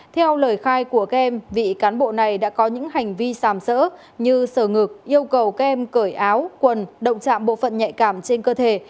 theo lời khai của kem vị cán bộ này đã có những hành vi sàm sỡ như sờ ngực yêu cầu kem cởi áo quần động chạm bộ phận nhạy cảm trên cơ thể